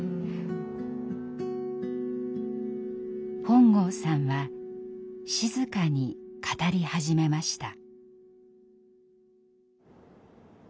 本郷さんは静かに語り始めました。